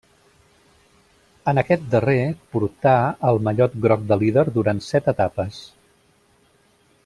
En aquest darrer portà el mallot groc de líder durant set etapes.